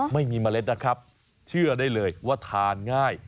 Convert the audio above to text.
เมล็ดนะครับเชื่อได้เลยว่าทานง่าย